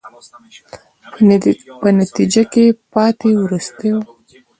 په نتیجه کې پاتې، وروستو.